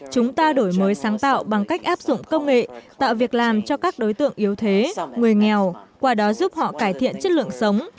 chúng ta đổi mới sáng tạo bằng cách áp dụng công nghệ tạo việc làm cho các đối tượng yếu thế người nghèo qua đó giúp họ cải thiện chất lượng sống